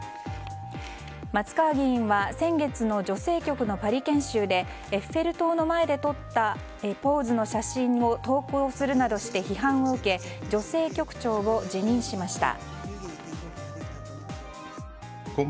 松川議員は先月の女性局のパリ研修でエッフェル塔の前で撮ったポーズの写真を投稿するなどして批判を受け女性局長を辞任しました。